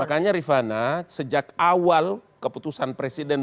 makanya rifana sejak awal keputusan presiden